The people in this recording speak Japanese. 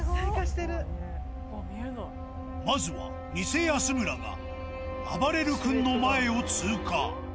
まずは偽安村があばれる君の前を通過。